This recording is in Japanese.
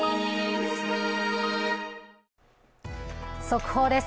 速報です。